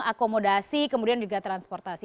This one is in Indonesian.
akomodasi kemudian juga transportasi